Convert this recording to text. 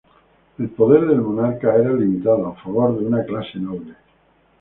El poder del monarca era limitado, a favor de una clase noble.